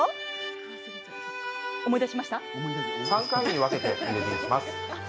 ３回に分けて入れていきます。